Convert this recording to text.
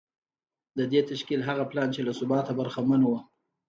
د دې تشکیل هغه پلان چې له ثباته برخمن و